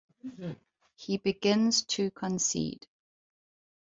He begins to concede.